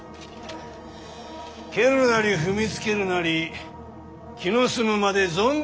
蹴るなり踏みつけるなり気の済むまで存分になさいませ。